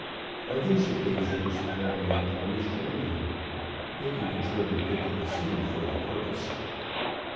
On these occasions Marion always joined him, making a journey into the City for the purpose.